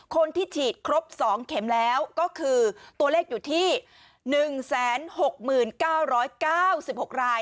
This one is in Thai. คนที่ฉีดครบ๒เข็มแล้วก็คือตัวเลขอยู่ที่๑๖๙๙๖ราย